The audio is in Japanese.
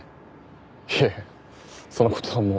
いえその事はもう。